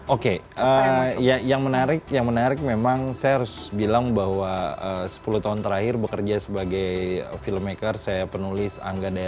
oke yang menarik yang menarik memang saya harus bilang bahwa sepuluh tahun terakhir bekerja sebagai filmmaker saya penulis angga daya